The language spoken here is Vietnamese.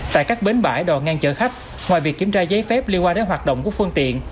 tại các bến bãi đò ngang chở khách ngoài việc kiểm tra giấy phép liên quan đến hoạt động của phương tiện